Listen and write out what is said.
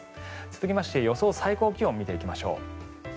続きまして、予想最高気温を見ていきましょう。